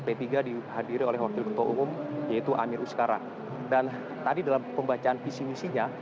p tiga dihadiri oleh wakil ketua umum yaitu amir uskara dan tadi dalam pembacaan visi misinya